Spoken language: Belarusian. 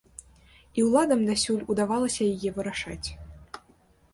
І ўладам дасюль удавалася яе вырашыць.